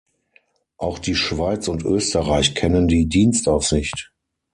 Auch die Schweiz und Österreich kennen die Dienstaufsicht.